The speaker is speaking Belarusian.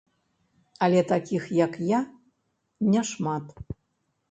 Але такіх, як я не шмат.